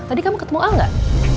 tadi kamu ketemu a gak